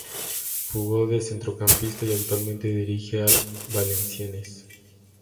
Jugó de centrocampista y actualmente dirige al Valenciennes.